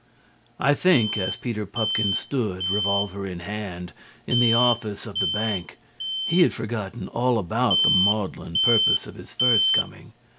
I think as Peter Pupkin stood, revolver in hand, in the office of the bank, he had forgotten all about the maudlin purpose of his first coming.